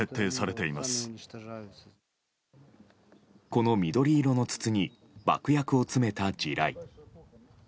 この緑色の筒に爆薬を詰めた地雷。